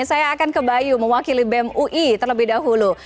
saya akan ke bayu mewakili bem ui terlebih dahulu